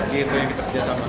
gitu yang kita kerjasama